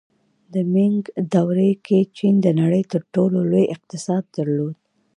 د مینګ دورې کې چین د نړۍ تر ټولو لوی اقتصاد درلود.